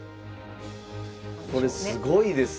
これすごいですね！